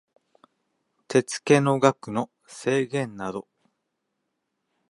手付の額の制限等